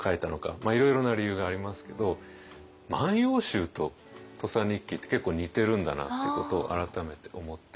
まあいろいろな理由がありますけど「万葉集」と「土佐日記」って結構似てるんだなってことを改めて思って。